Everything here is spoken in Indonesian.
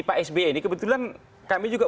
pak sby ini kebetulan kami juga